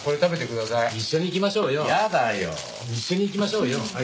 一緒に行きましょうよ。